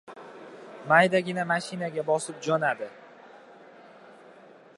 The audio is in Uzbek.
Maydagina mashinaga bosib jo‘nadi.